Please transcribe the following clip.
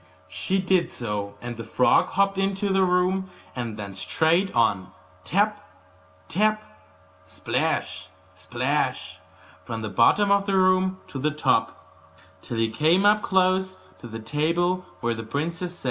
She did so, and the frog hopped into the room, and then straight on tap, tap plash, plash from the bottom of the room to the top, till he came up close to the table where the princess sat.